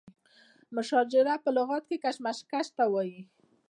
مشاجره په لغت کې کشمکش ته وایي.